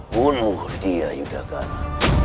bunuh dia yudhakara